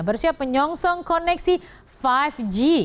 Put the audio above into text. bersiap menyongsong koneksi lima g